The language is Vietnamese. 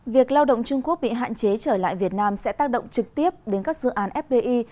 việc lao động trung quốc bị hạn chế trở lại việt nam sẽ tác động trực tiếp đến các dự án fdi